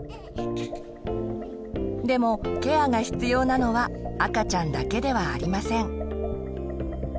でもケアが必要なのは赤ちゃんだけではありません。